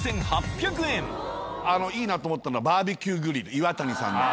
いいなと思ったのはバーベキューグリルＩｗａｔａｎｉさんの。